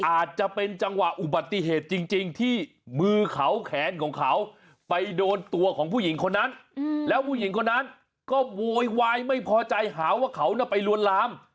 อาจจะเป็นจังหวะอุบัติเหตุจริงที่มือเขาแขนของเขาไปโดนตัวของผู้หญิงคนนั้นแล้วผู้หญิงคนนั้นก็โวยวายไม่พอใจหาว่าเขาไปลวนลาม